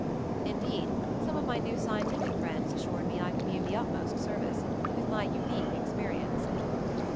In deed some of my new scientific friends as sured me I could be of the utmost service, with my unique experience.